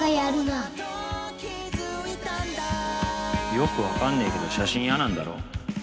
よくわかんねえけど写真嫌なんだろ？